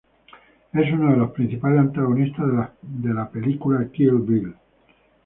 Es uno de los principales antagonistas de las películas Kill Bill.